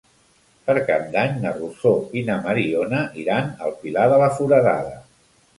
Per Cap d'Any na Rosó i na Mariona iran al Pilar de la Foradada.